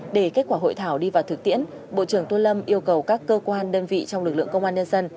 để kết quả hội thảo đi vào thực tiễn bộ trưởng tô lâm yêu cầu các cơ quan đơn vị trong lực lượng công an nhân dân